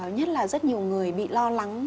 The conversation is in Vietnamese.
nhất là rất nhiều người bị lo lắng